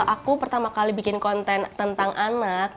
aku pertama kali bikin konten tentang anak